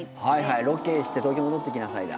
ロケして東京戻って来なさい！だ。